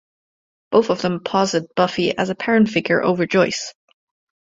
Both of them posit Buffy as a parent figure over Joyce.